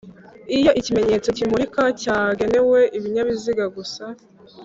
Iyo ikimenyetso kimurika cyagenewe ibinyabiziga gusa